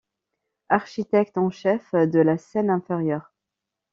Architecte en chef de la Seine-Inférieure.